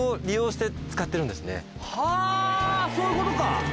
はぁそういうことか！